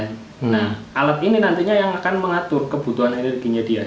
nah alat ini nantinya yang akan mengatur kebutuhan energinya dia